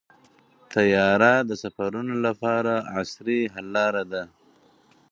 طیاره د سفرونو لپاره عصري حل لاره ده.